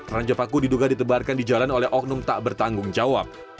ranja paku diduga ditebarkan di jalan oleh oknum tak bertanggung jawab